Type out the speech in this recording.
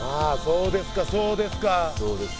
そうですそうです。